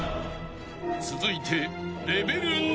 ［続いて］